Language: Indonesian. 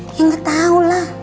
ya enggak tahu lah